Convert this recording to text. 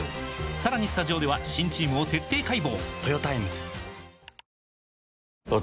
さらにスタジオでは新チームを徹底解剖！